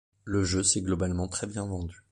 Le jeu s'est globalement très bien vendu.